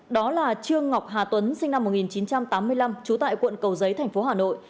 đó là trương ngọc hà tuấn sinh năm một nghìn chín trăm tám mươi năm trú tại quận cầu giấy thành phố hà nội